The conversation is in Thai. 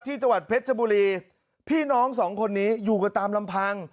จังหวัดเพชรชบุรีพี่น้องสองคนนี้อยู่กันตามลำพัง